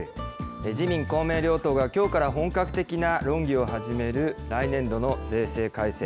自民、公明両党がきょうから本格的な論議を始める来年度の税制改正。